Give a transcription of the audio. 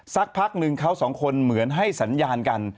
สักพักหนึ่งเขาสองคนเหมือนให้สัญญาณกัน